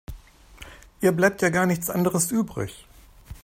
Ihr bleibt ja gar nichts anderes übrig.